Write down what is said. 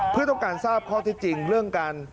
เพื่อต้องการทราบข้อที่จริงเรื่องการ